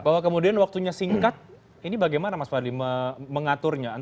bahwa kemudian waktunya singkat ini bagaimana mas fadli mengaturnya